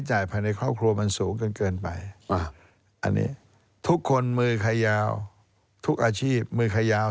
อันนี้ทุกคนมือไขยาวทุกอาชีพมือไขยาว